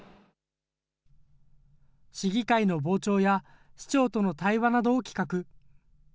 市議会の傍聴や、市長との対話などを企画。